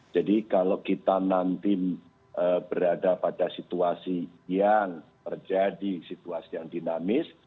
jadi kalau kita nanti berada pada situasi yang terjadi situasi yang dinamis